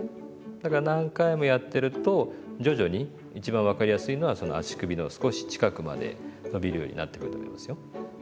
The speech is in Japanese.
だから何回もやってると徐々に一番分かりやすいのはその足首の少し近くまで伸びるようになってくると思いますよ。